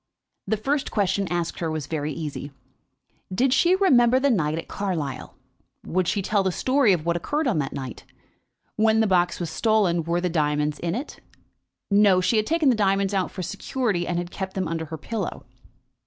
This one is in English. The first question asked her was very easy. Did she remember the night at Carlisle? Would she tell the history of what occurred on that night? When the box was stolen, were the diamonds in it? No; she had taken the diamonds out for security, and had kept them under her pillow.